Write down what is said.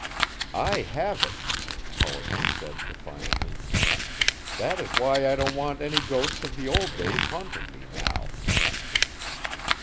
"I have it," Hollister said defiantly. "That is why I don't want any ghosts of the old days haunting me now."